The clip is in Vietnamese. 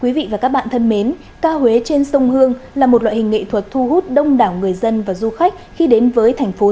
quý vị và các bạn thân mến ca huế trên sông hương là một loại hình nghệ thuật thu hút đông đảo người dân và du khách khi đến với thành phố